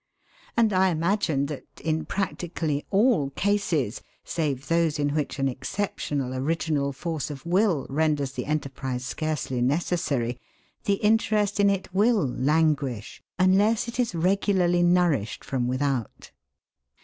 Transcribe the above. And I imagine that, in practically all cases save those in which an exceptional original force of will renders the enterprise scarcely necessary, the interest in it will languish unless it is regularly nourished from without.